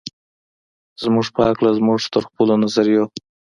زموږ په هکله زموږ تر خپلو نظریو.